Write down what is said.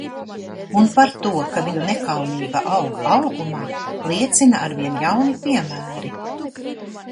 Un par to, ka viņu nekaunība aug augumā, liecina arvien jauni piemēri.